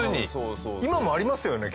今もありますよね